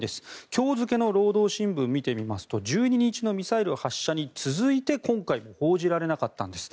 今日付の労働新聞を見てみますと１２日のミサイル発射に続いて今回も報じられなかったんです。